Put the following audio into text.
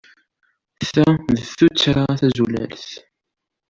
Ta d tuttra tazulalt.